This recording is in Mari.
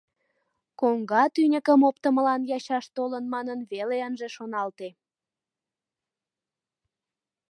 Коҥга тӱньыкым оптымылан ячаш толын манын веле ынже шоналте.